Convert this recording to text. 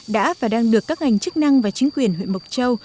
đã và đang được các ngành chức năng và chính quyền huyện mộc châu